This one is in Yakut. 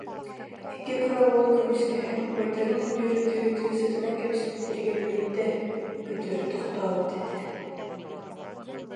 Икки кыра уол көмүскэһэн, убайдарын үрдүгэр ытыы-ытыы сытынан кэбиспиттэригэр биирдэ, күтүр, тохтообут этэ